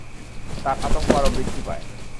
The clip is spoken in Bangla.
তার আতঙ্ক আরো বৃদ্ধি পায়।